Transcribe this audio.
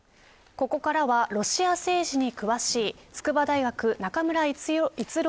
ここからはロシア政治に詳しい筑波大学中村逸郎